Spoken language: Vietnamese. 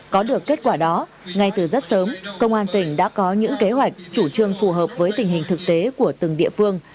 có được kết quả đó ngay từ rất sớm công an tỉnh đã có những kế hoạch chủ trương phù hợp với tình hình thực tế của từng địa phương